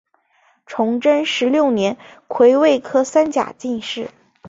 崇祯十六年癸未科三甲进士。